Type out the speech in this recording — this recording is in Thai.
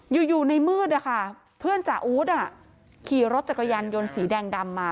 อยู่ในมืดนะคะเพื่อนจ่าอู๊ดขี่รถจักรยานยนต์สีแดงดำมา